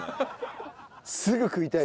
すぐ食いたい。